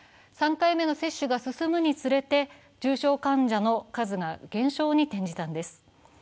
３回目の接種が進むにつれて、重症患者の数が減少に転じたのです。